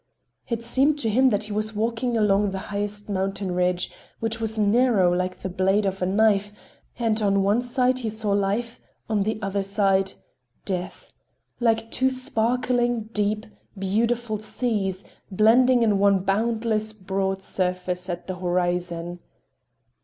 It seemed to him that he was walking along the highest mountain ridge, which was narrow like the blade of a knife, and on one side he saw Life, on the other side—Death,—like two sparkling, deep, beautiful seas, blending in one boundless, broad surface at the horizon.